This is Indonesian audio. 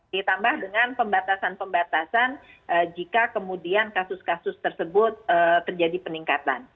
ditambah dengan pembatasan pembatasan jika kemudian kasus kasus tersebut terjadi peningkatan